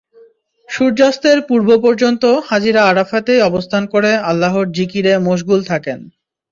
সূর্যাস্তের পূর্ব পর্যন্ত হাজিরা আরাফাতেই অবস্থান করে আল্লাহর জিকিরে মশগুল থাকেন।